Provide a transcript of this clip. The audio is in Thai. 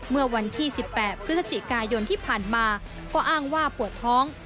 เมื่อวันที่๑๘พฤศจิกายนที่ผ่านมาก็อ้างว่าปวดท้อง